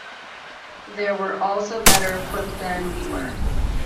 They were also better equipped than we were.